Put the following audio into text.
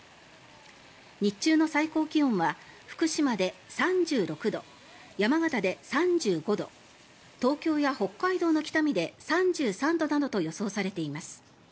日中の最高気温は福島で３６度山形で３５度東京や北海道の北見で３３度などと予想されています。